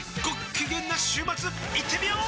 きげんな週末いってみよー！